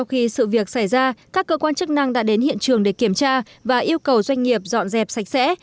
khi sự việc xảy ra các cơ quan chức năng đã đến hiện trường để kiểm tra và yêu cầu doanh nghiệp dọn dẹp sạch sẽ